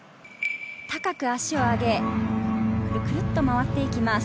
高く足を上げ、クルっと回っていきます。